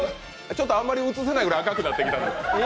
ちょっとあまり映せないくらい赤くなってきた。